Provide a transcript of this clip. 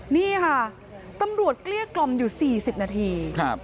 นี่ค่ะตำรวจเกลี้ยกล่อมอยู่๔๐นาที